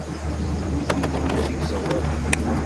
Wi t-ilan usegzawal-a?